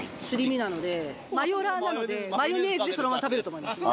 マヨラーなのでマヨネーズでそのまま食べると思いますね。